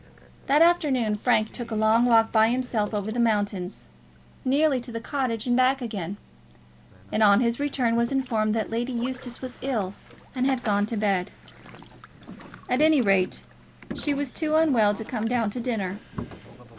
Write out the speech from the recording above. That afternoon Frank took a long walk by himself over the mountains, nearly to the Cottage and back again; and on his return was informed that Lady Eustace was ill, and had gone to bed. At any rate, she was too unwell to come down to dinner.